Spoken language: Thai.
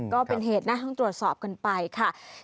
ก็เป็นเหตุนะต้องตรวจสอบกันไปค่ะ